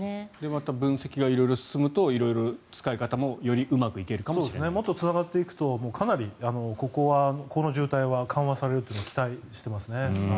また分析が色々進むと色々使い方ももっとつながっていくとかなりここはこの渋滞は緩和されると期待していますね。